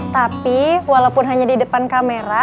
tapi walaupun hanya di depan kamera